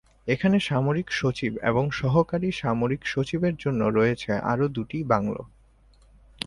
এখানে সামরিক সচিব এবং সহকারী সামরিক সচিবের জন্য রয়েছে আরও দুটি বাংলো।